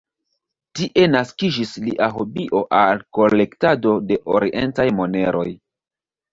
Tie naskiĝis lia hobio al kolektado de orientaj moneroj.